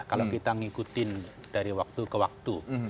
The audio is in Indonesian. kalau kita ngikutin dari waktu ke waktu